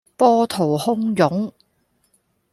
波濤洶湧